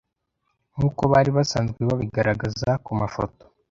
nkuko bari basanzwe babigaragaza ku mafoto